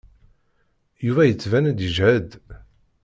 Yuba yettban-d yejhed.